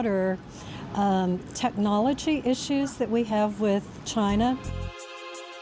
เกี่ยวกับเทคโนโลยีที่เรามีกับชีวิต